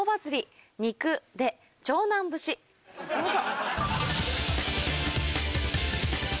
どうぞ。